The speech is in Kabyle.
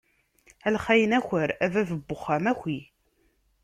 A lxayen aker, a bab n uxxam aki!